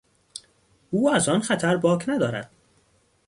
او از آن خطر باک ندارد.